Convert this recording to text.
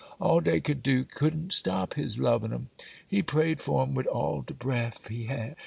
All dey could do couldn't stop his lovin' 'em; He prayed for 'em wid all de breath He had.